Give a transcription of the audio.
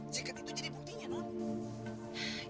jika itu jadi buktinya non